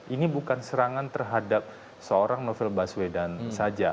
ini bukan serangan terhadap seorang novel baswedan saja